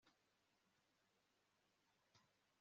ngomba kugenzura ikintu